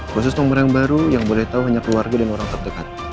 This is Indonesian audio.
khusus nomor yang baru yang boleh tau hanya keluarga dan orang tetap dekat